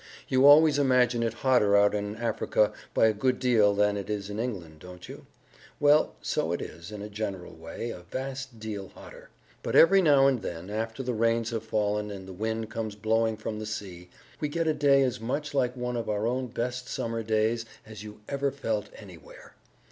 You always imagine it hotter out in Africa by a good deal than it is in England, don't you? Well, so it is, in a general way, a vast deal hotter; but every now and then, after the rains have fallen and the wind comes blowing from the sea, we get a day as much like one of our own best summer days as you ever felt anywhere.